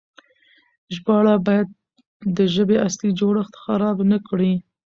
ژباړه بايد د ژبې اصلي جوړښت خراب نه کړي.